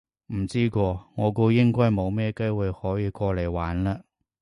唔知喎，我估應該冇乜機會可以過嚟玩嘞